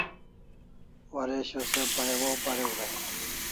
Waresho se pay waw pariu dai